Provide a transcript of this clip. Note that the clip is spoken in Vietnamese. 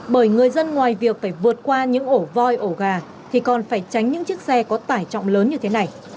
bởi người dân ngoài việc phải vượt qua những ổ voi ổ gà thì còn phải tránh những chiếc xe có tải trọng lớn như thế này